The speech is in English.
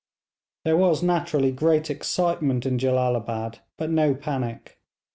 There was naturally great excitement in Jellalabad, but no panic.